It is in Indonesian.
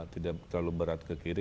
tidak terlalu berat ke kiri